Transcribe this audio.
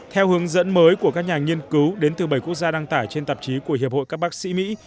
theo hướng dẫn mới của các nhà nghiên cứu đến từ bảy quốc gia đăng tải trên tạp chí của hiệp hội các bác sĩ mỹ